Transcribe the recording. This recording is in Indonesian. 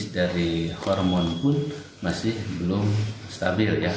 dari hormon pun masih belum stabil ya